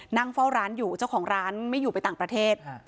นั่งเฝ้าร้านอยู่เจ้าของร้านไม่อยู่ไปต่างประเทศ